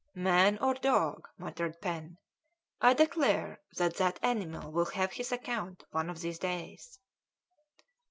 "Man or dog," muttered Pen, "I declare that that animal will have his account one of these days."